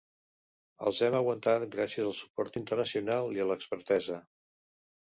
Els hem aguantat gràcies al suport internacional i a l’expertesa.